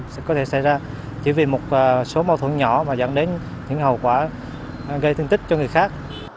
sẽ có thể xảy ra chỉ vì một số mâu thuẫn nhỏ và dẫn đến những hậu quả gây thương tích cho người khác